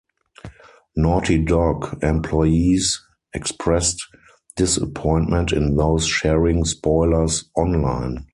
Naughty Dog employees expressed disappointment in those sharing spoilers online.